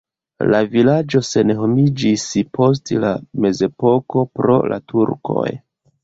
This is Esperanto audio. La vilaĝo senhomiĝis post la mezepoko pro la turkoj.